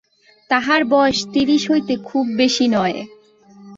তাঁহার বয়স ত্রিশ হইতে খুব বেশী নয়।